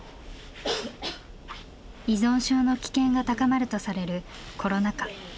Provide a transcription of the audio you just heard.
依存症の危険が高まるとされるコロナ禍。